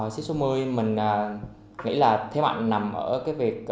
sip sáu mươi mình nghĩ là thế mạnh nằm ở cái việc